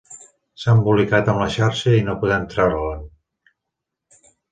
S'ha embolicat amb la xarxa i no podem treure-l'en.